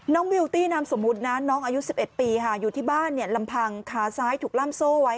มิวตี้นามสมมุตินะน้องอายุ๑๑ปีค่ะอยู่ที่บ้านลำพังขาซ้ายถูกล่ำโซ่ไว้